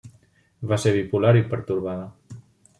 Va ser bipolar i pertorbada.